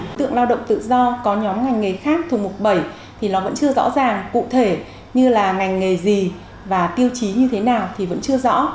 đối tượng lao động tự do có nhóm ngành nghề khác thuộc mục bảy thì nó vẫn chưa rõ ràng cụ thể như là ngành nghề gì và tiêu chí như thế nào thì vẫn chưa rõ